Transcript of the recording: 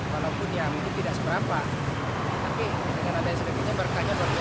walaupun yang ini tidak seberapa tapi dengan ada yang sedekahnya berkahnya luar biasa